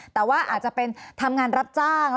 แต่ว่าอาจจะเป็นทำงานรับจ้าง